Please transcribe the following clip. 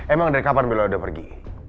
emang dari kapan bella udah pergi